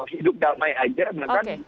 hidup damai saja